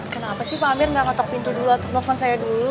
kenapa sih pak amir nggak ngetok pintu dulu atau telepon saya dulu